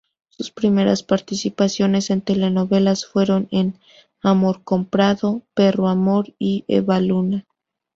Sus primeras participaciones en telenovelas fueron en "Amor comprado", "Perro amor" y "Eva Luna".